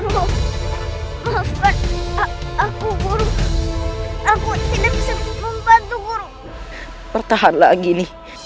kalian benar benar keterlaluan